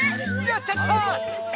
やっちゃった！